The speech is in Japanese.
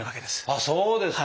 あっそうですか。